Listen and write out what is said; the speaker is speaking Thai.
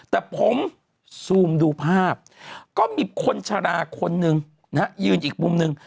แต่ผมซูมดูภาพก็มีคนชะลาคนหนึ่งนะฮะยืนอีกมุมหนึ่ง